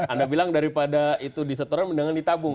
anda bilang daripada itu disetorkan mendingan ditabung